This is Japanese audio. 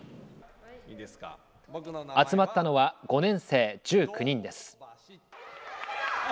集まったのは、５年生１９人です。